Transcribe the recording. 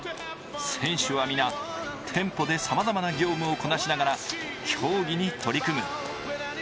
選手は皆、店舗でさまざまな業務をこなしながら競技に取り組む。